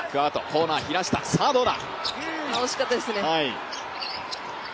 惜しかったです。